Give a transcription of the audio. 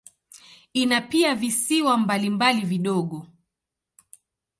Ina pia visiwa mbalimbali vidogo.